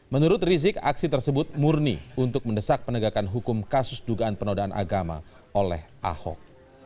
menurut rizik aksi tersebut murni untuk mendesak penegakan hukum kasus dugaan penodaan agama oleh ahok